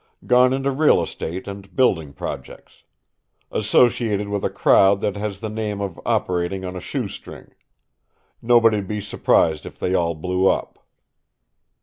Gone into real estate and building projects; associated with a crowd that has the name of operating on a shoestring. Nobody'd be surprised if they all blew up."